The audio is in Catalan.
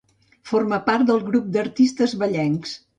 Formà part del Grup d'Artistes Vallencs.